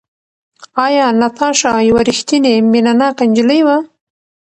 ایا ناتاشا یوه ریښتینې مینه ناکه نجلۍ وه؟